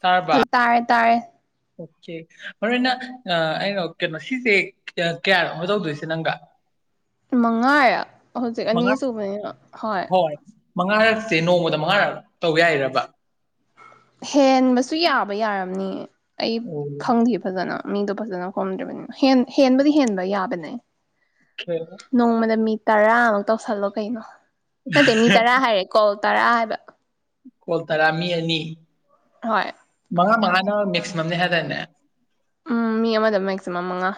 ꯇꯥꯔꯕ ꯇꯥꯔꯦ ꯇꯥꯔꯦ ꯑꯣꯀꯦ ꯃꯔꯨ ꯑꯣꯏꯅ ꯑꯩꯅ ꯀꯩꯅꯣ ꯁꯤꯁꯦ ꯀꯌꯥꯔꯣꯃ ꯇꯧꯗꯣꯏꯁꯦ ꯅꯪꯒ ꯃꯉꯥ ꯍꯧꯖꯤꯛ ꯑꯅꯤ ꯃꯉꯥ ꯁꯨꯕꯅꯤꯅ ꯍꯣꯏ ꯆꯁꯦ ꯅꯣꯡꯃꯗ ꯃꯉꯥꯔ ꯇꯧꯕ ꯌꯥꯏꯔꯕ ꯍꯦꯟꯕꯁꯨ ꯌꯥꯕ ꯌꯥꯔꯝꯅꯤ [unintelligible] ꯑꯩ ꯑꯣꯀꯦ ꯈꯪꯗꯦ ꯐꯖꯅ ꯃꯤꯗꯣ ꯐꯖꯅ ꯈꯣꯝꯗ꯭ꯔꯤꯕꯅꯤꯅ ꯍꯦꯟꯕꯗꯤ ꯍꯦꯟꯕ ꯌꯥꯕꯅꯦ ꯅꯣꯡꯃꯗ ꯃꯤ ꯇꯔꯥꯃꯨꯛ ꯇꯧꯁꯜꯂꯣ ꯀꯩꯅꯣ ꯅ ꯇꯃꯤꯅꯤ ꯇꯔꯥ ꯍꯥꯏꯔꯦ ꯀꯣ ꯇꯔꯥ ꯍꯥꯏꯕ ꯀꯣꯜ ꯇꯔꯥ ꯃꯤ ꯑꯅꯤ ꯍꯣꯏ ꯃꯉꯥ ꯃꯉꯥꯅ ꯃꯦꯛꯁꯤꯃꯝꯅꯦ ꯍꯥꯏꯇꯥꯔꯦꯅꯦ ꯎꯝ ꯃꯤ ꯑꯃ ꯑꯃꯗ ꯃꯦꯛꯁꯤꯃꯝꯉ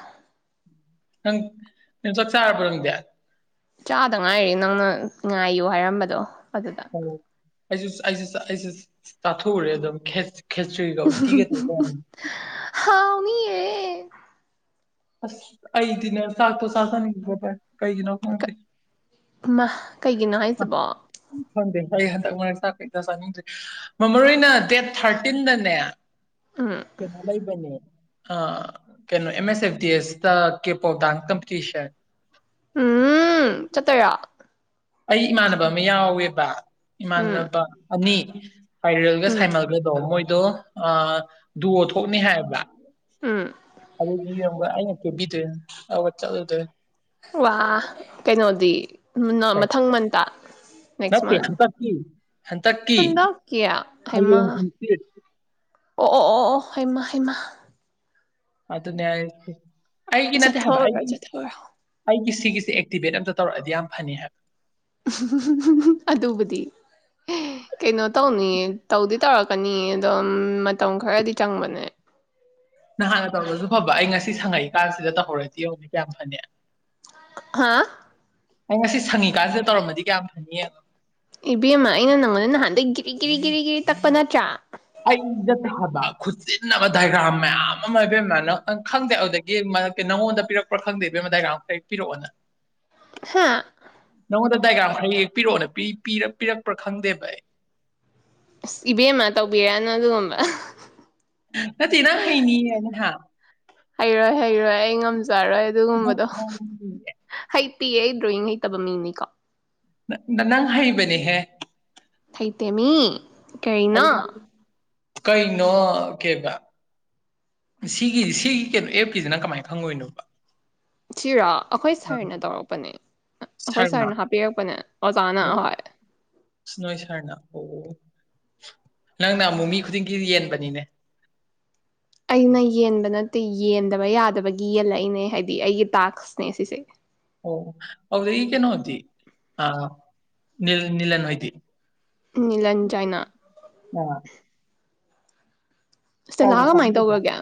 ꯅꯪ ꯆ ꯆꯥꯔ ꯄꯗ ꯆꯥꯗ ꯉꯥꯏꯔꯤ ꯅꯪꯅ ꯉꯥꯏꯌꯨ ꯍꯥꯏꯔꯝꯕꯗꯣ ꯑꯗꯨꯗꯥ ꯑꯣ ꯑꯩꯁꯨ ꯑꯩꯁꯨ ꯑꯩꯁꯦ ꯆꯥꯊꯣꯛꯎꯨꯔꯦ ꯑꯗꯨꯝ ꯈꯦꯠ ꯈꯦꯁꯇ꯭ꯔꯤꯒ ꯎꯇꯤꯒꯩ ꯇ ꯀ ꯍꯥꯎꯅꯤꯌꯦ ꯑ ꯑꯩꯗꯤꯅ ꯁꯥꯥꯛꯣ ꯁꯥꯅꯤꯕ ꯀꯩꯅꯥ ꯐ ꯃꯥ ꯀꯩꯒꯤꯅꯣ ꯍꯥꯏꯁꯤꯕꯣ ꯈꯪꯗꯦ ꯑꯩ ꯍꯟꯗꯛ ꯃꯔꯛ ꯆꯥ ꯀꯛꯇ ꯆꯥꯅꯤꯡꯗ꯭ꯦ ꯃꯔ ꯃꯔ ꯑꯣꯏꯅ ꯗꯦꯠ ꯊꯥꯔꯇꯤꯟꯗꯅꯦ ꯎꯝ ꯊ ꯊꯂ ꯄꯅꯦ ꯑ ꯀꯩꯅꯣ ꯑꯦꯝ ꯑꯦꯁ ꯑꯦꯐ ꯗꯤ ꯑꯦꯁꯇ ꯀꯦ ꯄꯥꯎꯗꯛꯇꯪꯤꯤꯁꯦ ꯎꯝ [unintelligible] ꯆꯠꯇꯣꯏꯔꯣ ꯑꯩ ꯏꯃꯥꯟꯅꯕ ꯑꯃ ꯌꯥꯎꯋꯦꯕ ꯎꯝ ꯏꯃꯥꯟꯅꯕ ꯑꯅꯤ [unintelligible] ꯁꯥꯏꯔꯦꯜꯒ ꯎꯝ ꯁꯥꯏꯃꯜꯒꯗꯣ ꯃꯣꯏ ꯑꯗꯣ ꯑ ꯊꯣꯛꯅꯤ ꯍꯥꯏꯕ ꯎꯝ ꯑꯗꯨꯗ ꯌꯦ ꯑꯩꯩꯅ ꯀꯦꯕꯤ ꯇꯣꯏꯦ ꯋꯥ ꯀꯩꯅꯅ ꯑ ꯅꯦꯛꯁ ꯅ ꯃꯟ ꯍꯟ ꯍꯟꯗꯛꯀꯤ ꯍꯩꯃ ꯍꯟꯇꯀꯤꯡ ꯑꯣ ꯑꯣ ꯑꯣ ꯑꯣ ꯍꯩꯃ ꯍꯩꯃꯥ ꯑ ꯑꯗꯨ ꯅꯦ ꯑꯩꯒꯤ ꯅꯠꯇꯦ ꯍꯥꯏꯕ ꯆꯠꯊꯣꯛꯎꯔꯣꯏ ꯑꯩꯒꯤ ꯆꯠꯊꯣꯛꯎꯔꯣ ꯑꯩꯒꯤꯁꯤ ꯁꯤꯒꯤꯁꯦ ꯑꯦꯛꯇꯤꯚꯦꯠ ꯑꯝꯇ ꯇꯧꯔꯛꯑꯗꯤ ꯌꯥꯝ ꯐꯅꯤ ꯍꯥꯏꯕ ꯑꯗꯨꯕꯨꯗꯤ ꯀꯩꯅꯣ ꯇꯧꯅꯤꯌꯦ ꯇꯧꯗꯤ ꯇꯧꯔꯛꯀꯅꯤꯌꯦ ꯑꯗꯣ ꯃꯇꯝ ꯈꯔꯗꯤ ꯆꯪꯕꯅꯦ ꯅꯍꯥꯟꯅ ꯇꯧꯔꯁꯨ ꯐꯕ ꯑꯩ ꯉꯁꯤ ꯁꯪꯉꯛꯏꯀꯥꯟꯁꯤꯗ ꯇꯧꯍꯧꯔꯗꯤ ꯌꯧꯅꯤꯦ ꯀꯌꯥꯝ ꯐꯅꯤ ꯍꯥ ꯑꯩ ꯉꯁꯤ ꯁꯪꯉꯤꯀꯥꯟꯁꯤꯗ ꯇꯧꯔꯝꯃꯗꯤ ꯀꯌꯥꯝ ꯐꯅꯤꯑꯕ ꯏꯕꯦꯝꯃ ꯑꯩꯅ ꯅꯪꯉꯣꯟꯗ ꯅꯍꯥꯟꯗꯗꯒꯤ ꯀꯔꯤ ꯀꯔꯤ ꯀꯔꯤ ꯀꯔꯤ ꯇꯛꯄ ꯅꯠꯇ꯭ꯔꯥ ꯑꯩꯗ ꯊꯥꯕ ꯈꯨꯆꯤꯟꯅꯕ ꯗꯥꯏꯒ꯭ꯔꯥꯝ ꯃꯌꯥꯝ ꯑꯃ ꯏꯕꯦꯝꯃ ꯅꯪ ꯈꯪꯗꯦ ꯑꯗꯨꯗꯒꯤ ꯃꯔ ꯅꯪꯉꯣꯟꯗ ꯄꯤꯔꯛꯄ꯭ꯔꯥ ꯈꯪꯗꯦ ꯏꯕꯦꯝ ꯗꯥꯏꯒ꯭ꯔꯥꯝ ꯀꯦꯛ ꯄꯤꯔꯛꯑꯣꯅ ꯍꯥꯥ ꯅꯪꯉꯣꯟꯗ ꯗꯥꯏꯒ꯭ꯔꯥꯝ ꯈꯔ ꯌꯦꯛꯄꯤꯔꯛꯑꯣꯅ ꯄꯤꯔꯛꯄ꯭ꯔꯥ ꯈꯪꯗꯦꯕ ꯑꯩ ꯑꯁ ꯏꯕꯦꯝꯃ ꯇꯧꯕꯤꯔꯛꯅ ꯑꯗꯨꯒ [unintelligible] ꯅꯠꯇꯅ ꯍꯩꯅꯤ ꯍꯥꯏꯅ ꯍꯥ ꯍꯩꯔꯣꯏ ꯍꯩꯔꯣꯏ ꯑꯩ ꯉꯝꯖꯩꯦ ꯌꯥꯔꯣꯏ ꯑꯗꯨꯒꯨꯝꯕꯗꯣ ꯍ ꯤꯦ ꯗ꯭ꯔꯣꯌꯉꯩ ꯇꯕ ꯃꯤꯃꯤꯡꯅꯤ ꯀꯥ ꯅꯪ ꯍꯩꯕꯅꯦꯍꯦ ꯄꯇꯦꯃꯤ ꯀꯅ ꯑꯗꯨꯅ ꯀꯩꯅꯣ ꯀꯦꯕ ꯁꯤꯒꯤ ꯁꯤꯒꯤ ꯀꯩꯅꯣ ꯑꯦꯞꯀꯤꯁꯤꯅ ꯀꯃꯥꯏꯅ ꯈꯪꯉꯣꯏꯅꯣꯕ ꯈꯤꯔ ꯑꯩꯈꯣꯏ ꯁꯥꯔꯅ ꯇꯧꯔꯛꯄꯅꯦ ꯑꯩꯈꯣꯏ ꯁꯥꯔꯅ ꯍꯥꯞꯄꯤꯔꯛꯄꯅꯦ ꯑꯣꯖꯥꯅ ꯅꯣꯏ ꯑꯍꯣꯏ ꯅꯪ ꯅ ꯑꯃꯨ ꯃꯤ ꯈꯨꯗꯤꯡꯒꯤ ꯌꯦꯟꯕꯅꯤꯅꯦ ꯑꯩꯅ ꯌꯦꯟꯕ ꯅꯠꯇꯦ ꯌꯦꯟꯗꯕ ꯌꯥꯗꯕꯒꯤ ꯌꯦꯜꯂꯛꯏꯅꯦ ꯍꯥꯏꯗꯤ ꯑꯩꯒꯤ ꯇꯥꯛꯁꯅꯦ ꯁꯤꯁꯦ ꯑꯣ ꯍꯗ ꯌꯦꯒꯦ ꯅ ꯍꯗꯤ ꯑꯅꯤꯜꯅꯤꯂ ꯅꯣꯏꯗꯤ ꯂꯟ ꯆꯥꯏꯅꯥ ꯇꯂꯥ ꯄꯥꯎ ꯀꯃꯥꯏꯅ ꯇꯧꯔꯒꯦ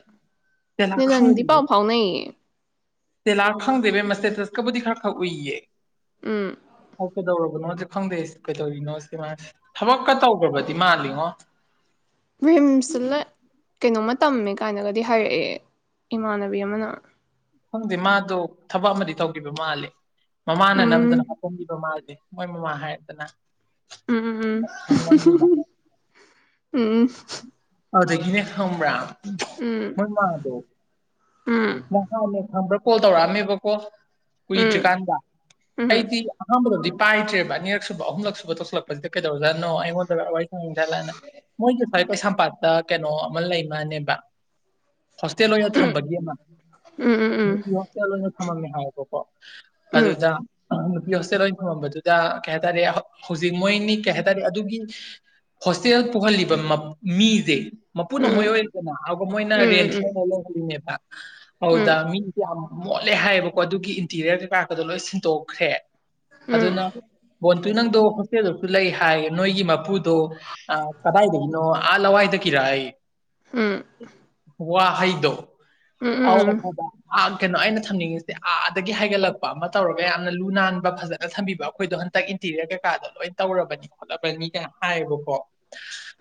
ꯇꯦꯂꯥ ꯅꯦꯂꯟꯕꯨꯗꯤ ꯈꯪꯗꯦ ꯄꯥꯎ ꯐꯥꯎꯅꯩꯌꯦ ꯇꯦꯂꯥ ꯈꯪꯗꯕ ꯃꯁꯦ ꯇꯁꯀꯕꯨꯗꯤ ꯈꯔ ꯈꯪ ꯎꯏꯌꯦ ꯎꯝ ꯑꯣ ꯀꯦꯗꯧꯔꯕ ꯅ ꯈꯪꯗꯦ ꯀꯩꯗꯧꯔꯤꯅꯣ ꯁꯤ ꯃꯥ ꯊꯕꯛꯀ ꯇꯧꯈ꯭ꯔꯕꯗꯤ ꯃꯥꯜꯂꯤꯉꯣ ꯔꯤꯝꯁꯇ ꯀꯩꯅꯣꯝꯃ ꯇꯝꯃꯦ ꯀꯥꯏꯅꯒꯗꯤ ꯍꯥꯏꯔꯛꯑꯦ ꯏꯃꯥꯟꯅꯕꯤ ꯑꯃꯅ ꯈꯪꯗꯦ ꯃꯥꯗꯣ ꯊꯕꯛ ꯑꯃꯗꯤ ꯇꯧꯈꯤꯕ ꯃꯥꯂꯦ ꯃꯃꯥꯅ ꯎꯝ ꯅꯝꯗꯨꯅ ꯍꯥꯄꯣꯝꯕꯤꯕ ꯃꯥꯜꯂꯤ ꯃꯣꯏ ꯃꯃꯥ ꯍꯥꯏꯔꯗꯅ ꯎꯝ ꯈꯪꯉꯝꯗꯦꯗ ꯎꯝ ꯎꯝ ꯑꯗꯨꯗꯒꯤꯅꯦ ꯈ꯭ꯔꯥ ꯎꯝ ꯉꯗꯣ ꯎꯝ ꯎꯝ ꯅ ꯈ ꯀꯣ ꯇꯧꯔꯝꯃꯤꯕꯣ ꯀꯏ ꯆꯀꯥꯟꯗꯥ ꯎꯝ ꯎꯝ ꯎꯝ ꯑꯩꯗꯤꯔꯣꯗꯤ ꯄꯥꯏꯗ꯭ꯔꯦꯕ ꯑꯅꯤꯔꯛꯁꯨꯕ ꯑꯍꯨꯝꯂꯛ ꯁꯕ ꯇꯧꯁꯤꯂꯛꯄꯁꯤ ꯀꯩꯗꯧꯔꯖꯥꯅꯣ ꯑꯩꯉꯣꯟꯗ ꯎꯝ ꯆꯂꯅꯦ ꯃꯣꯏ ꯈꯔꯦꯩꯁ ꯁꯝꯄꯥꯠ ꯗ ꯀꯩꯅꯣ ꯑꯃ ꯂꯩꯃꯅꯦꯕ ꯍꯣꯁꯇꯦꯜ ꯑꯣꯏꯅ ꯊꯝꯕꯒꯤ ꯑꯃ ꯎꯝ ꯎꯝ ꯎꯝ ꯎꯝ ꯍ ꯃꯝ ꯍꯥꯏꯣꯄꯣ ꯎꯝ ꯑꯗꯨꯗ ꯍꯣꯁꯇꯦꯜ ꯑꯣꯏꯅ ꯊꯪꯃꯝꯕꯗꯨꯗ ꯀꯩ ꯍꯥꯏꯇꯥꯔꯦ ꯍꯧꯖꯤꯛ ꯃꯣꯏꯅꯤ ꯀꯩ ꯍꯥꯏꯇꯥꯔꯦ ꯑꯗꯨꯒꯤ ꯍꯣꯁꯇꯦꯜ ꯄꯨꯍꯜꯂꯤꯕ ꯃꯤ [unintelligible] ꯃꯄꯨꯅ ꯃꯣꯏ ꯑꯣꯏꯔꯤꯗꯅ ꯑꯗꯨꯒ ꯃꯣꯏꯅ ꯎꯝ ꯔꯦꯟꯁꯅ ꯂꯧꯔꯤꯅꯦꯕ ꯎꯝ ꯎꯝ ꯍꯗ ꯃꯤ ꯃꯣꯠꯂꯦ ꯍꯥꯏꯌꯦꯕꯀꯣ ꯑꯗꯨꯒꯤ ꯏꯟꯇꯤꯔꯤꯌꯔ ꯄꯥꯛꯀꯗꯣ ꯂꯣꯏ ꯁꯤꯟꯗꯣꯛꯈ꯭ꯔꯦ ꯎꯝ ꯑꯗꯨꯅ ꯑꯗꯨ ꯅꯪꯗꯣ ꯍꯣꯁꯇꯦꯜꯗꯁꯨ ꯂꯩ ꯍꯥꯏ ꯅꯣꯏꯒꯤ ꯃꯄꯨꯗꯣ ꯀꯗꯥꯏꯗꯒꯤꯅꯣ ꯑꯋꯥꯏ ꯀꯔꯑ ꯎꯝ ꯋꯥꯍꯩꯗꯣ ꯎꯝ ꯎꯝ ꯍ ꯀꯩꯅꯣ ꯑꯩꯅ ꯊꯝꯅꯤꯡꯉꯤꯁꯦ ꯑꯥꯗꯒꯤ ꯍꯥꯏꯒꯠꯂꯛꯄ ꯑꯃ ꯇꯧꯔꯒ ꯌꯥꯝꯅ ꯂꯨ ꯅꯥꯟꯕ ꯐꯖꯅ ꯊꯝꯕꯤꯕ ꯑꯩꯈꯣꯏꯗꯣ ꯍꯟꯗꯛ ꯏꯟꯇꯤꯔꯤꯌꯔ ꯀꯩꯀꯥꯗꯣ ꯂꯣꯏ ꯇꯧꯔꯕꯅꯤ ꯈꯣꯠꯂꯕꯅꯤ ꯃꯤ ꯀꯌꯥꯝ ꯍꯥꯏꯌꯦꯕꯀꯣ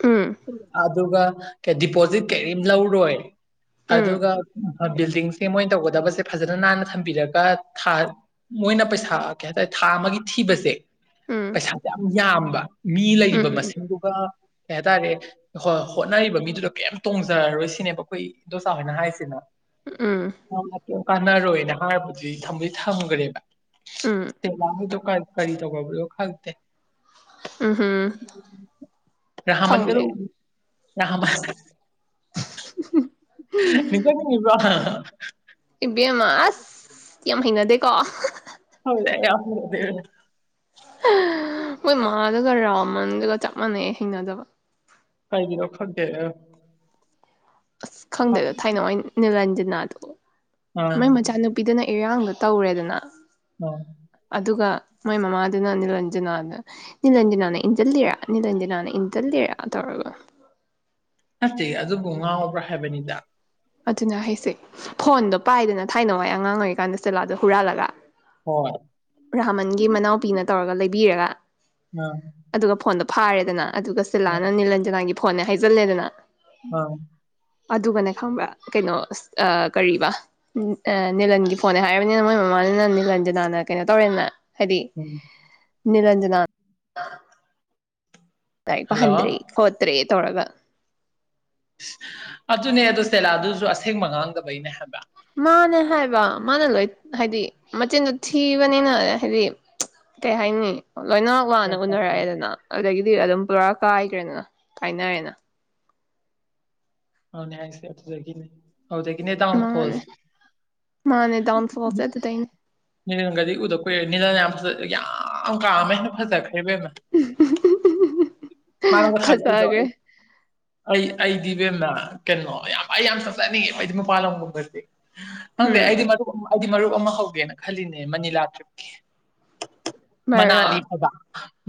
ꯎꯝ [unintelligible] ꯑꯗꯨꯒ ꯗꯤꯄꯣꯖꯤꯠ ꯀꯔꯤꯝ ꯂꯧꯔꯣꯏ ꯑꯗꯨꯒ ꯕꯤꯜꯗꯤꯡꯁꯦ ꯃꯣꯏꯅ ꯇꯧꯒꯗꯕꯁꯦ ꯐꯖꯅ ꯅꯥꯟꯅ ꯊꯝꯕꯤꯔꯒ ꯊꯥ ꯃꯣꯏꯅ ꯄꯩꯁꯥ ꯀꯩ ꯍꯥꯏꯇꯥꯔꯦ ꯊꯥ ꯑꯃꯒꯤ ꯊꯤꯕꯁꯦ ꯎꯝ ꯄꯩꯁꯥꯥꯁꯦ ꯌꯥꯝ ꯌꯥꯝꯕ ꯃꯤ ꯂꯩꯔꯤꯕ ꯎꯝ ꯃꯁꯤꯡꯗꯨꯒ ꯑꯦ ꯇꯅꯤꯦ ꯍꯣꯏ ꯍꯣꯠꯅꯔꯤꯕ ꯃꯤꯗꯨꯗꯣ ꯀꯩꯝ ꯇꯣꯡꯖꯔꯔꯣꯏ ꯁꯤꯅꯦꯕ ꯑꯩꯈꯣꯏ ꯏꯟ ꯗꯣꯆꯥ ꯍꯣꯏꯅ ꯍꯥꯏꯁꯤꯅ ꯎꯝ ꯀꯩ ꯀꯥꯟꯅꯔꯣꯏꯅ ꯍꯥꯏꯔꯕꯗꯨꯗꯤ ꯊꯃꯗꯤ ꯊꯝꯈ꯭ꯔꯦꯕ ꯎꯝ ꯇꯂꯥꯗ ꯀꯔꯤ ꯇꯧꯕꯅꯣ ꯈꯪꯗꯦ ꯎꯝ ꯎꯝ ꯔꯍꯃꯟꯒꯗ ꯌꯥꯍꯃ ꯎ ꯅꯤꯡꯗꯕ꯭ꯔ ꯏꯕꯦꯝꯃ ꯑꯁ ꯌꯥꯝ ꯍꯩꯅꯗꯦꯀꯣ ꯌꯥꯗ ꯃꯣꯏꯃꯥꯗꯨꯒ ꯔꯥꯎꯃꯟꯗꯨꯒ ꯆꯞ ꯃꯥꯟꯅꯩꯦ ꯍꯩꯅꯗꯕ ꯍꯥꯏꯒꯤꯔꯣ ꯈꯗꯦ ꯑꯁ ꯈꯪꯗꯦꯗ ꯊꯥꯏꯅ ꯑꯣꯏꯅ ꯅꯤꯜꯍꯟ ꯅꯥ ꯇ ꯃꯣꯏ ꯑꯥ ꯃꯆꯥꯅꯨꯄꯤꯗꯅ ꯏꯔꯥꯡꯗꯣ ꯇꯧꯔꯦꯗꯅ ꯑ ꯑꯗꯨꯒ ꯃꯣꯏ ꯃꯃꯥꯗꯨꯅ ꯅꯤꯂꯟꯖꯅꯥꯅ ꯅꯤꯂꯟꯖꯅꯥꯅ ꯏꯟꯁꯤ ꯂꯤꯔꯥ ꯅꯤꯂꯟꯖꯅꯥꯅ ꯏꯟꯁꯤꯂꯔ ꯇꯧꯔꯒ ꯅꯠꯇꯦ ꯑꯗꯨꯕꯨ ꯉꯥꯎꯕ꯭ꯔꯥ ꯍꯥꯏꯕꯅꯤꯗ ꯑꯗꯨꯅ ꯍꯥꯏꯁꯦ ꯐꯣꯟꯗꯣ ꯄꯥꯏꯗꯅ ꯊꯥꯏꯅ ꯋꯥꯏ ꯑꯉꯥꯡ ꯑꯣꯏꯔꯤꯀꯥꯟꯗ ꯆꯦꯂꯥꯗꯣ ꯍꯨꯔꯥꯜꯂꯒ ꯍꯣꯏ ꯔꯥꯃꯟꯒꯤ ꯃꯅꯥꯎꯄꯤꯅ ꯇꯧꯔꯒ ꯂꯩ ꯕꯤꯔꯒ ꯑꯥ ꯐꯥꯔꯦꯗꯅ ꯑꯗꯨ ꯀ ꯑꯥ ꯁꯂꯥꯟꯅꯅꯤꯂꯂꯝꯖꯅꯥ ꯐꯣꯟꯅꯦ ꯍꯥꯏꯖꯜꯂꯦꯗꯅ ꯑꯥ ꯑꯗꯨꯒꯅꯦ ꯈꯪꯕ꯭ꯔꯥ ꯀꯩꯅꯣ ꯀꯔꯤꯕꯥ ꯅꯤꯂꯟꯒꯤ ꯐꯣꯟꯅꯦ ꯍꯥꯏꯔꯕꯅꯤꯅ ꯃꯣꯏ ꯃꯃꯥꯅꯤꯅ ꯅꯤꯂꯟ ꯖꯅꯥꯅ ꯀꯩꯅꯣ ꯇꯧꯔꯦꯅ ꯎꯝ ꯅꯤꯔꯟꯖꯅꯥ [unintelligible] ꯍꯜꯂꯣ ꯂꯥꯏꯔꯤꯛ꫰ꯄꯍꯟꯗ꯭ꯔꯦ ꯈꯣꯠꯇ꯭ꯔꯦ ꯇꯧꯔꯒ ꯑꯗꯨꯅꯦ ꯑꯗꯨꯗꯣ ꯁꯦꯂꯥꯗꯨꯁꯨ ꯑꯁꯦꯡꯕ ꯉꯥꯡꯗꯕꯩꯅꯦ ꯍꯥꯏꯕ ꯃꯥꯅꯦ ꯍꯥꯏꯕ ꯃꯥꯅ ꯂꯣꯏ ꯍꯥꯏꯗꯤ ꯃꯆꯤꯟꯗꯣ ꯊꯤꯕꯅꯤꯅ ꯍꯥꯏꯗꯤ ꯀꯩ ꯍꯥꯏꯅꯤ ꯂꯣꯏꯅꯃꯛ ꯃꯅ ꯍꯣꯏ ꯍꯣꯏ ꯍꯣꯏ ꯎꯅꯔꯛꯑꯦꯗꯅ ꯑꯗꯨꯗꯒꯤ ꯗꯤ ꯑꯗꯨꯝ ꯄꯨꯔꯥ ꯀꯥꯏꯈ꯭ꯔꯦꯗꯅ ꯀꯥꯏꯅꯔꯦꯅ ꯑꯗꯨꯅꯦ ꯍꯥꯏꯁꯤ ꯒꯅꯦ ꯃꯥꯅꯦ ꯃꯥꯅꯦ ꯗꯋꯥꯟ ꯐꯣꯜꯁꯦ ꯑꯗꯨꯗꯩꯅꯦ ꯅꯤꯔꯟꯒꯗꯤ ꯎꯗ ꯀꯨꯏꯔꯦ ꯅꯤꯔꯟ ꯌꯥꯝ ꯐꯖ ꯌꯥꯝ ꯀꯥꯝꯃꯦ ꯍꯦꯟꯅ ꯐꯖꯈ꯭ꯔꯦ ꯑꯦꯕ ꯃꯥ ꯃꯥ ꯈꯂ ꯑꯩꯗꯣ ꯑꯩ ꯐꯖꯈ꯭ꯔꯦ ꯑꯩ ꯑꯩꯗꯤ ꯏꯕꯦꯝꯅ ꯀꯩꯅꯣ ꯌꯥꯝ ꯑꯩ ꯌꯥꯝ ꯆꯠꯆꯠꯅꯤꯡꯉꯦ ꯃꯗꯤ ꯃꯄꯥꯟ ꯂꯝꯒꯨꯝꯕꯁꯦ ꯍꯪꯗ ꯎꯝ ꯑꯩꯗꯤ ꯃꯔ ꯑꯩꯗꯤ ꯃꯔ ꯇ ꯑꯃ ꯍꯧꯒꯦꯅ ꯈꯜꯂꯤꯅꯦ ꯃꯅꯤꯂꯥ ꯇ꯭ꯔꯤꯞꯀꯤ ꯃꯅꯥꯂꯤ ꯃꯔꯣꯛ ꯍꯥꯏꯕ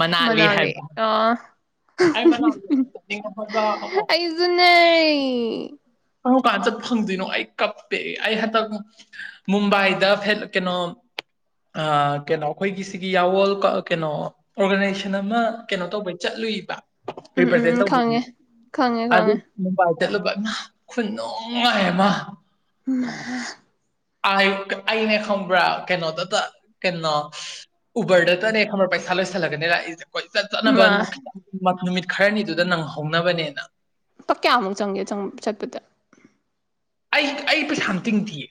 ꯃꯅꯥꯂꯤ ꯍꯥꯏꯕ ꯑꯩ ꯃꯅꯥꯎ ꯌꯥꯝ ꯇꯧꯅꯤꯡꯕ ꯍꯣꯠꯕ ꯅ ꯀꯔꯝ ꯀꯥꯟ ꯆꯠꯄ ꯐꯪꯗꯣꯏꯅꯣ ꯑꯩ ꯀꯞꯄꯦ ꯑꯩ ꯍꯟꯗꯛ ꯃꯨꯝꯕꯥꯏꯗ ꯀꯩꯅꯣ ꯀꯩꯅꯣ ꯑꯩꯈꯣꯏꯒꯤ ꯁꯤꯒꯤ ꯌꯥꯋꯜ ꯀꯩꯅꯣ ꯑꯣꯔꯒꯅꯥꯏꯖꯦꯁꯟ ꯑꯃ ꯀꯩꯅꯣ ꯇꯧꯕꯩ ꯆꯠꯂꯨꯏꯕ ꯎꯝ ꯎꯝ ꯔꯤꯄ꯭ꯔꯖꯦꯟ ꯎꯝ ꯇꯧꯕ ꯈꯪꯉꯦ ꯈꯪꯉꯦ ꯑꯗꯨ ꯈꯪꯉꯦ ꯃꯕꯥ ꯆꯠꯂꯨꯕꯅ ꯈꯨꯟ ꯅꯨꯡꯉꯥꯏꯃ ꯃ ꯑꯅꯦ ꯈꯪꯕ꯭ꯔꯥ ꯀꯩꯅꯣꯗꯇ ꯀꯩꯅꯣ ꯎꯕꯔꯗꯇꯅꯦ ꯈꯪꯕ꯭ꯔꯥ ꯄꯩꯁꯥ ꯂꯣꯏꯁꯜꯂꯒꯅꯤ ꯂꯥꯛꯏꯁꯦ ꯀꯣꯏꯆꯠ ꯆꯠꯅꯕꯟ ꯃꯥ ꯅꯨꯃꯤꯠ ꯈꯔꯅꯤꯗꯨꯗ ꯅꯪ ꯍꯧꯅꯕꯅꯦꯅ ꯂꯨꯄ ꯀꯌꯥꯃꯨꯛ ꯆꯪꯒꯦ ꯆꯠꯄꯗ ꯑꯩ ꯄꯩꯁꯥ ꯑꯃꯥ ꯇꯤꯡꯗꯤꯌꯦ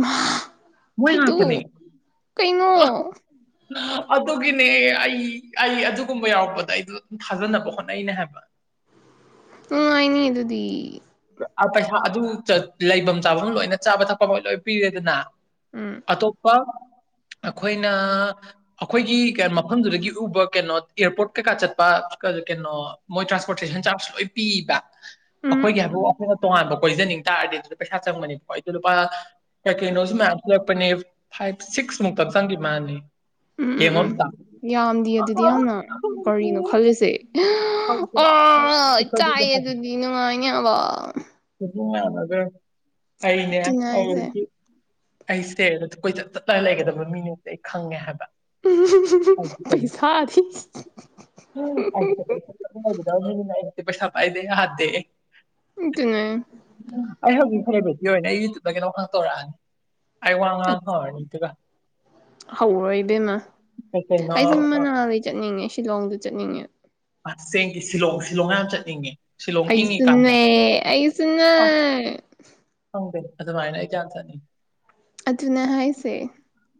ꯃ ꯃꯣꯏ ꯄꯤꯠꯇꯨ ꯉꯥꯛꯇꯅꯦ ꯀꯩꯅꯣ ꯑꯗꯨꯒꯤꯅꯦ ꯑꯩ ꯑꯩ ꯑꯗꯨꯒꯨꯝꯕ ꯌꯥꯎꯔꯛꯄꯗ ꯑꯩꯗꯣ ꯑꯗꯨꯝ ꯊꯥꯖꯅꯕ ꯍꯣꯠꯅꯩꯅꯦ ꯍꯥꯏꯕ ꯅꯨꯡꯉꯥꯏꯅꯤ ꯑꯗꯨꯗꯤ ꯑ ꯄꯩꯁꯥ ꯑꯗꯨ ꯂꯩꯐꯝ ꯆꯥꯐꯝ ꯂꯣꯏꯅ ꯆꯥꯕ ꯊꯛꯄ ꯃꯣꯏ ꯂꯣꯏ ꯄꯤꯔꯦꯗꯅ ꯎꯝ ꯑꯇꯣꯞꯄ ꯑꯩꯈꯣꯏꯅ ꯑꯩꯈꯣꯏꯒꯤ ꯃꯐꯝꯗꯨꯗꯒꯤ ꯎꯕ ꯀꯩꯅꯣ ꯑꯦꯌꯥꯔꯄꯣꯔꯠ ꯀꯩꯀꯥ ꯆꯠꯄ ꯀꯩꯅꯣ ꯃꯣꯏ ꯇ꯭ꯔꯥꯟꯁꯄꯣꯔꯇꯦꯁꯟ ꯆꯥꯔꯖ ꯂꯣꯏ ꯄꯤꯕ ꯎꯝ ꯑꯩꯈꯣꯏꯒꯤ ꯍꯥꯏ ꯑꯗꯨꯗ ꯑꯩꯈꯣꯏꯅ ꯇꯣꯉꯥꯟꯕ ꯀꯣꯏꯖꯅꯤꯡ ꯇꯥꯔꯗꯤ ꯑꯗꯨꯗ ꯄꯩꯁꯥ ꯆꯪꯕꯅꯤꯀꯣ ꯑꯩꯗ ꯂꯨꯄꯥ ꯀꯩ ꯀꯩꯅꯣꯁꯨ ꯃꯌꯥꯝ ꯄꯤꯔꯛꯄꯅꯦ ꯐꯥꯏꯚ ꯁꯤꯛꯁ ꯃꯨꯛꯇꯪ ꯆꯪꯈꯤ ꯃꯥꯜꯅꯤ ꯎꯝ ꯎꯝ ꯌꯦꯡꯉꯣ ꯎꯝ ꯑꯝꯇ ꯌꯥꯝꯗꯤ ꯑꯗꯨꯗꯤ ꯌꯥꯝꯅ ꯀꯔꯤꯅꯣ ꯈꯜꯂꯤꯁꯦ ꯑ ꯆꯠꯄꯗꯨꯗꯤ ꯆꯥꯏꯌꯦ ꯑꯗꯨꯗꯤ ꯅꯨꯡꯉꯥꯏꯅꯦꯕ [inaudible] ꯌꯥꯒꯦ ꯍꯥꯏꯅꯦ ꯑꯗꯨꯅꯦ ꯍꯥꯏꯁꯦ ꯑꯩꯁꯦ ꯀꯣꯏꯆꯠ ꯆꯠꯂ ꯂꯩꯒꯗꯕ ꯃꯤꯅꯁꯦ ꯑꯩ ꯈꯪꯉꯦ ꯍꯥꯏꯕ ꯎꯝ ꯄꯩꯁꯥꯗꯤ ꯎꯝ ꯗ ꯄꯩꯁꯥ ꯄꯥꯏꯗ ꯌꯥ ꯍꯥꯗꯦ ꯏꯠꯇꯉ ꯑꯩ ꯍꯧꯖꯤꯛ ꯐꯦꯕꯦꯠꯀꯤ ꯑꯣꯏꯅ ꯑꯩ ꯌꯨꯇ꯭ꯌꯨꯕꯇ ꯀꯩꯅꯣ ꯍꯥꯡꯇꯣꯔꯛꯑꯅꯤ ꯑꯩ ꯋꯥ ꯍꯣꯏꯇꯒ ꯍꯧꯔꯣꯏ ꯏꯕꯦꯝꯃ ꯀꯩ ꯀꯩꯅꯣ ꯑꯩ ꯁꯝ ꯃꯅꯥꯗ ꯆꯠꯅꯤꯡꯉꯦ ꯁꯤꯂꯣꯡꯗ ꯆꯠꯅꯤꯡꯉꯦ ꯑꯁꯦꯡꯒꯤ ꯁꯤꯂꯣꯡ ꯁꯤꯂꯣꯡ ꯌꯥꯝ ꯆꯠꯅꯤꯡꯉꯦ ꯁꯤꯂꯣꯡ ꯏꯪꯉꯤꯀꯥꯟꯗ ꯑꯩꯁꯨꯟꯃꯦ ꯑꯩꯁꯨꯟꯃꯦ ꯍꯗꯦ ꯑꯗꯨꯃꯥꯏꯅ ꯆ ꯊꯅꯤ ꯑꯗꯨꯅ ꯍꯥꯏꯁꯦ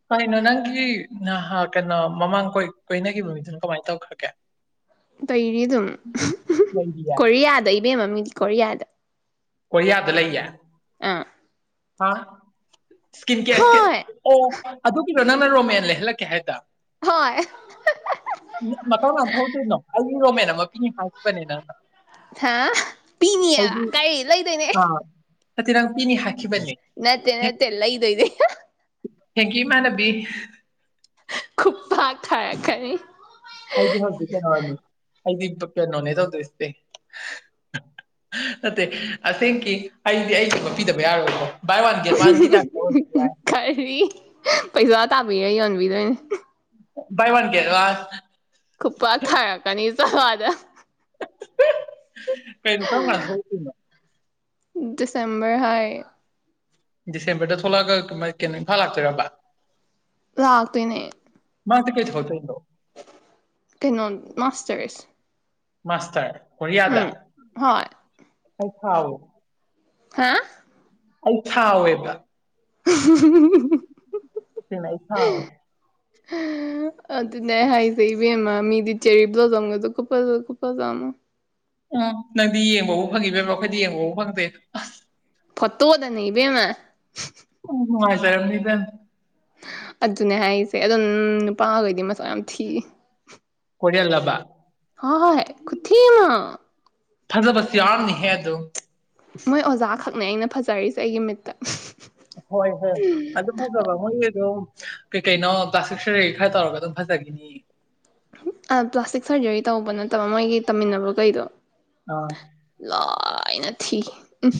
ꯀꯩꯅꯣ ꯅꯪꯒꯤ ꯅꯍꯥ ꯀꯩꯅꯣ ꯃꯃꯥꯡ ꯀꯣꯏꯅꯈꯤꯕ ꯃꯤꯗꯨꯅ ꯀꯃꯥꯏꯅ ꯇꯧꯈ꯭ꯔꯒꯦ ꯇꯩꯔꯤ ꯑꯗꯨꯝ ꯂꯩꯔꯤꯌꯦ ꯀꯔꯤꯌꯥꯗ ꯕ ꯃꯃꯤꯗꯤ ꯀꯗ ꯀꯌꯥꯗ ꯂꯩꯦ ꯑ ꯍꯥ ꯁꯀꯤꯟ ꯀꯦꯔꯀꯤ ꯍꯣꯏ ꯑꯣ ꯑꯗꯨ ꯏꯔꯣ ꯅꯪꯅ ꯔꯣꯃꯦꯟ ꯂꯩꯍꯜꯂꯛꯀꯦ ꯍꯥꯏꯗꯅ ꯍꯣꯏ ꯃꯇꯥꯡ ꯂ ꯊꯣꯛꯗꯣꯏꯅꯣ ꯑꯩꯒꯤ ꯔꯣꯃꯦꯟ ꯑꯃ ꯄꯤ ꯍꯥꯏꯈꯤꯕꯅꯦ ꯅꯪꯅ ꯍꯥ ꯄꯤꯅꯤꯌꯦꯕ ꯑꯩꯗꯤ ꯀꯔꯤ ꯂꯩꯗꯣꯏꯅꯦ ꯑꯥ ꯑ ꯇꯤꯔꯥꯡꯄꯤꯤꯅꯤ ꯍꯥꯏ ꯅꯠꯇꯦ ꯅꯠꯇꯦꯂ ꯏꯣ ꯏ ꯍꯦꯡꯀꯤ ꯏꯃꯕꯤ ꯈꯨ ꯄ ꯈꯥ ꯈꯔꯤ ꯍꯥꯏꯗꯤ ꯍꯧꯗꯤ ꯀꯅꯥꯣꯅꯤ ꯑꯩꯗꯤ ꯀꯩꯅꯣꯅꯦ ꯇꯧꯗꯣꯏꯁꯦ ꯅꯠꯇꯦ ꯑꯁꯦꯡꯀꯤ ꯑꯩꯗꯤ ꯑꯩꯁ ꯃꯄꯤꯤꯗꯕ ꯌꯥꯔꯣꯏꯀꯣ ꯕꯥꯏ ꯋꯥꯟ ꯒꯦꯠ ꯋꯥꯟꯒꯤ ꯇꯥꯏꯞꯇ ꯑꯣꯏꯔꯁꯨ ꯌꯥꯏ ꯈꯔꯔꯤ ꯄꯩꯁꯥ ꯇꯥꯄꯤ ꯌꯥꯏ ꯍꯧꯟꯕꯤꯗꯅꯦ ꯏ ꯋꯥꯟ ꯀꯦ ꯂ ꯊꯋꯥꯗ ꯀꯩꯅꯣ ꯀꯔꯁꯨꯣꯏꯅꯣ ꯁꯦꯝꯕꯔ ꯍꯥꯏ ꯗꯤꯁꯦꯝꯕꯔꯗ ꯊꯣꯛꯂꯛꯑꯒ ꯀꯩꯅꯣ ꯏꯝꯐꯥꯜ ꯂꯥꯛꯇꯣꯏꯔꯝꯕ ꯂꯥꯛꯇꯣꯏꯅꯦ ꯀꯩ ꯊꯧ ꯆꯅꯣ ꯀꯩꯅꯩꯅꯣ ꯃꯥꯁꯇꯔꯁ ꯃꯁꯦ ꯍꯅ ꯌꯥꯗ ꯎꯝ ꯍꯣꯏ ꯑꯩꯩ ꯈꯥꯎ ꯍꯥ ꯑꯩ ꯊꯥꯎꯋꯦꯕ ꯅ ꯏ ꯊꯥꯎ ꯑꯗꯨ ꯑꯗꯨ ꯅ ꯍꯥꯏꯁꯩꯕꯃ ꯃꯤꯗꯤ ꯆꯦꯔꯤꯕ꯭ꯂꯥꯎꯖꯝꯒꯗ ꯀꯨ ꯀꯨ ꯆꯃ ꯎꯝ ꯅꯪꯗꯤ ꯌꯦꯡꯕꯕꯨ ꯐꯪꯉꯤꯕꯦꯝꯕꯣ ꯑꯩꯈꯣꯏꯗꯤ ꯌꯦꯡꯕꯕꯨ ꯐꯪꯗꯦ ꯐꯠꯇꯣ ꯀꯗ ꯅ ꯏꯕ ꯃꯥ ꯅꯨꯡꯉ ꯁꯔꯝꯅꯤꯗ ꯑꯗꯨꯅꯦ ꯍꯥꯏꯔꯤꯁꯦ ꯑꯗꯨꯝ ꯅꯨꯄꯥꯈꯣꯏꯗꯤ ꯃꯆꯥ ꯌꯥꯝ ꯊꯤ ꯀꯂꯕ ꯍ ꯍꯣꯏ ꯍ ꯈꯨꯊꯃ ꯐꯖꯕꯁꯨ ꯌꯥꯝꯅꯤꯍꯦ ꯑꯗꯨ ꯃꯣꯏ ꯑꯣꯖꯥ ꯈꯛꯅꯦ ꯑꯩꯅ ꯐꯖꯔꯤꯁꯦ ꯑꯩꯒꯤ ꯃꯤꯠꯇ ꯍꯣꯏ ꯍꯣꯏ ꯑꯗꯨ ꯐꯕ ꯃꯣꯏꯒꯤꯗꯣ ꯀꯩ ꯀꯩꯅꯣ ꯄ꯭ꯂꯥꯁꯇꯤꯛ ꯁꯔꯔꯤ ꯈꯔ ꯇꯧꯔꯒ ꯑꯗꯨꯝ ꯐꯖꯈꯤꯅꯤ ꯄ꯭ꯂꯥꯁꯇꯤꯛ ꯁꯔꯖꯔꯤ ꯇꯧꯕ ꯅꯠꯇꯕ ꯃꯣꯏꯒꯤ ꯇꯝꯃꯤꯟꯅꯕ ꯀꯩꯗꯣ ꯑꯥ ꯊꯥꯏꯅ ꯊꯤ ꯎꯝ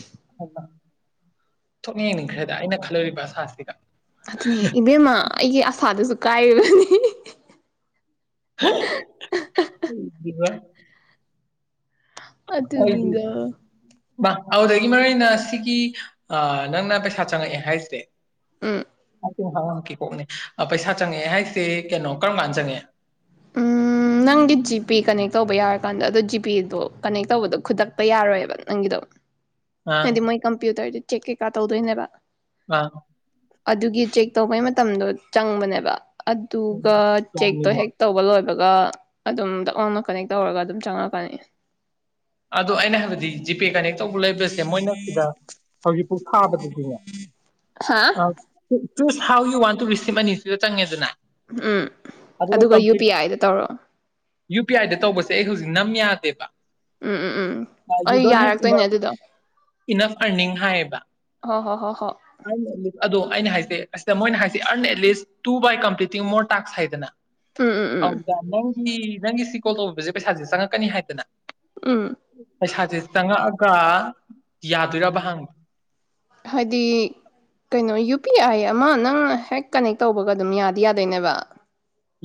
ꯊꯣꯛꯅ ꯌꯦꯡꯅꯤꯡꯈ꯭ꯔꯦꯗ ꯑꯩꯅ ꯈꯜꯂꯣꯔꯤꯕ ꯑꯁꯥꯁꯤꯒ ꯑꯗꯅꯦ ꯏꯕꯦꯝꯃ ꯑꯩ ꯑꯁꯗꯁꯨ ꯀꯥꯏꯕꯅꯤ ꯕ ꯎ ꯑꯗꯨ ꯑꯗꯨꯅꯤꯒ ꯑꯗꯨꯗꯒꯤ ꯃꯔꯨ ꯑꯣꯏꯅ ꯁꯤꯒꯤ ꯅꯪꯅ ꯄꯩꯁꯥ ꯆꯪꯉꯛꯑꯦ ꯍꯥꯏꯁꯦ ꯎꯝ ꯍꯔꯉꯛꯀꯦ ꯀꯣꯛꯅꯦ ꯄꯩꯁꯥ ꯆꯪꯉꯛꯑꯦ ꯍꯥꯏꯁꯦ ꯀꯩꯅꯣ ꯀꯔꯝ ꯀꯥꯟ ꯆꯪꯉꯛꯦ ꯅꯪꯗꯤ ꯖꯤꯄꯦ ꯀꯅꯦꯛ ꯇꯧꯕ ꯌꯥꯔꯦ ꯂ ꯀꯥꯟꯗ ꯑꯗꯣ ꯖꯤꯄꯦꯗꯣ ꯀꯅꯦꯛ ꯇꯧꯕꯗꯣ ꯈꯨꯗꯛꯄ ꯌꯥꯔꯣꯏꯑꯕ ꯅꯪꯒꯤꯗꯣ ꯑꯥ ꯑꯗꯤ ꯃꯣꯏ ꯀꯝꯄ꯭ꯨꯇꯔꯗꯤ ꯆꯦꯛ ꯀꯩꯀꯥ ꯇꯧꯗꯣꯏꯅꯦꯕ ꯑꯥ ꯑꯗꯨꯒꯤ ꯆꯦꯛ ꯇꯧꯕꯩ ꯃꯇꯝꯗꯣ ꯆꯪꯕꯅꯦꯕ ꯑꯗꯨꯒ ꯆꯦꯛꯇꯣ ꯌꯥꯝꯃꯤꯕ ꯍꯦꯛ ꯇꯧꯕ ꯂꯣꯏꯕ ꯑꯗꯨꯒ ꯑꯗꯨꯝ ꯗꯛ ꯂꯣꯅ ꯀꯅꯦꯛ ꯇꯧꯔꯒ ꯑꯗꯨꯝ ꯆꯪꯉꯛꯀꯅꯤ ꯑꯗꯣ ꯑꯩꯅ ꯍꯥꯏꯕꯗꯤ ꯖꯤꯄꯦ ꯀꯅꯦꯛ ꯇꯧꯕ ꯂꯩꯕꯁꯦ ꯃꯣꯏꯅ ꯁꯤꯗ ꯍꯧꯖꯤꯛ ꯊꯥꯕꯗꯨꯗꯤꯅꯦ ꯍꯥ ꯑ choose how you one two receipt ꯑꯅꯤꯁꯤꯗ ꯆꯪꯉꯦꯗꯅ ꯎꯝ ꯑꯗꯨꯒ ꯌꯨ ꯄꯤ ꯑꯥꯏꯗ ꯇꯧꯔꯛꯑꯣ ꯌꯨ ꯄꯤ ꯑꯥꯏꯗ ꯇꯧꯕꯁꯦ ꯑꯩ ꯍꯧꯖꯤꯛ ꯅꯝ ꯌꯥꯗꯦꯕ ꯎꯝ ꯎꯝ ꯎꯝ ꯌꯨ ꯑꯩ ꯗꯣꯟ ꯍꯦꯞ ꯌꯥꯔꯛꯇꯣꯏꯅꯦ ꯏꯅꯐ ꯑꯗꯨꯗꯣ ꯏꯅꯐ ꯑꯔꯅꯤꯡ ꯍꯥꯏꯌꯦꯕ ꯍꯣ ꯍꯣ ꯍꯣ ꯍꯣ ꯑ ꯑꯗꯨꯗ ꯑꯩꯅ ꯍꯥꯏꯁꯦ ꯑꯁꯤꯗ ꯃꯣꯏꯅ ꯍꯥꯏꯁꯦ earn at least two by completing more tasks ꯍꯥꯏꯗꯅ ꯎꯝ ꯎꯝ ꯎꯝ ꯑꯧꯗ ꯅꯪ ꯑꯩ ꯅꯪꯒꯤ ꯁꯤ ꯀꯣꯜ ꯇꯧꯕꯁꯦ ꯄꯩꯁꯥꯁꯦ ꯆꯪꯉꯛꯀꯅꯤ ꯍꯥꯏꯗꯅ ꯎꯝ ꯄꯩꯁꯥꯥꯁꯦ ꯆꯪꯉꯛꯑꯒ ꯌꯥꯗꯣꯏꯔꯕ ꯍꯥꯡꯕ ꯍꯥꯏꯗꯤ ꯀꯩꯅꯣ ꯌꯨ ꯑꯄꯤ ꯑꯥꯏ ꯑꯃ ꯅꯪ ꯍꯦꯛ ꯀꯅꯦꯛ ꯇꯧꯕꯒ ꯑꯗꯨꯝ ꯌꯥꯗꯤ ꯌꯥꯗꯣꯏꯅꯦꯕ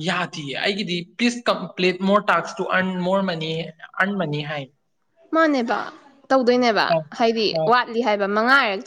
ꯌꯥꯗꯌꯦ ꯑꯩꯒꯤꯗꯤ please complete more tasks to earn more money earn money ꯍꯥꯏ ꯃꯥꯅꯦꯕ ꯇꯧꯗꯣꯏꯅꯦꯕ ꯑ ꯍꯥꯏꯗꯤ ꯑ ꯋꯥꯠꯂꯤ ꯍꯥꯏꯕ ꯃꯉꯥꯔꯛ